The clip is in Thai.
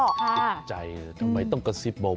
ทำไมต้องกระซิบเบา